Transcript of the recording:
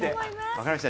分かりました。